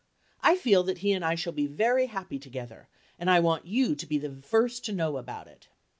I feel that he and I shall be very happy together, and I want you to be the first to know about it.